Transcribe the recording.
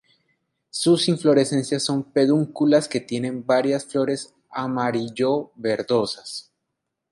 Sus inflorescencias son pedunculadas que tienen varias flores amarillo-verdosas.